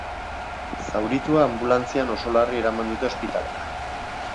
Zauritua anbulantzian oso larri eraman dute ospitalera.